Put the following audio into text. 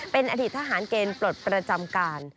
เป็นอดีตทหารเกณฑ์ปลดประจำการ